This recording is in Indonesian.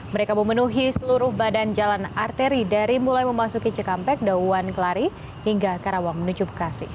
mereka memenuhi seluruh badan jalan arteri dari mulai memasuki cikampek dawan kelari hingga karawang menuju bekasi